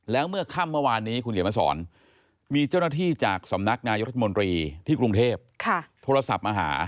แล้วเมื่อค่ำเมื่อวานนี้คุณเขียนมาสอนมีเจ้าหน้าที่จากสำนักนายรัฐมนตรีที่กรุงเทพโทรศัพท์มาหา